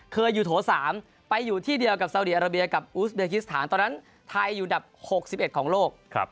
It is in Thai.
เคยอยู่โถ๓ไปอยู่ที่เดียวกับสาวดีอาราเบียกับอูสเดกิสถานตอนนั้นไทยอยู่ดับ๖๑ของโลก